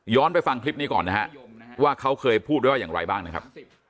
ย้อนไปฟังคลิปนี้ก่อนนะฮะว่าเขาเคยพูดด้วยอะไรบ้างครับ